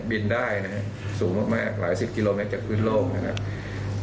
บินได้นะครับสูงมากหลายสิบกิโลเมตรจากพื้นโลกนะครับ